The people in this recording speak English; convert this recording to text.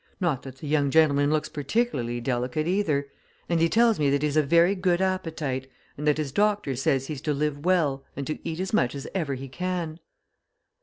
Not that the young gentleman looks particularly delicate, either, and he tells me that he's a very good appetite and that his doctor says he's to live well and to eat as much as ever he can."